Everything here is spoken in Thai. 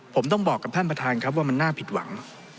ผมต้องบอกกับท่านประธานครับว่ามันน่าผิดหวัง